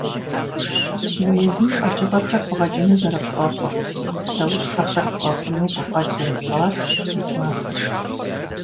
Уэ езым къэкӀыгъэхэр бгъэкӀыну зэрыпфӀэфӀыр, псэущхьэхэр бгъэхъуну гукъэкӀ зэрыпщӀар ди гуапэщ.